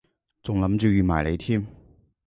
仲諗住預埋你添